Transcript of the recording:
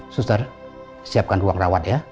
suster siapkan ruang rawat ya